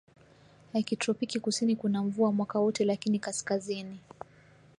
ya kitropiki Kusini kuna mvua mwaka wote lakini kaskazini